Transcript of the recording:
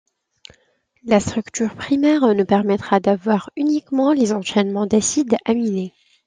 La structure primaire ne permettra d'avoir uniquement les enchainements d'acides aminé.